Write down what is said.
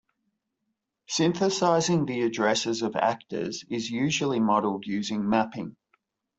Synthesizing the addresses of Actors is usually modeled using mapping.